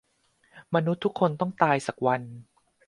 "มนุษย์ทุกคนต้องตายสักวัน"